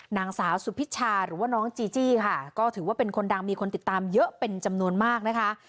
นางสาวสุพิชาหรือว่าน้องจีจี้ค่ะก็ถือว่าเป็นคนดังมีคนติดตามเยอะเป็นจำนวนมากนะคะ